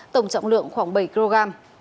tổng trọng lượng khoảng bảy kg